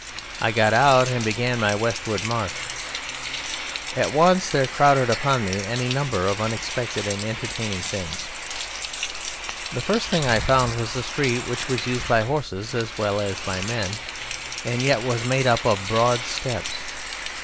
I got out and began my westward march. At once there crowded upon me any number of unexpected and entertaining things! The first thing I found was a street which was used by horses as well as by men, and yet was made up of broad steps.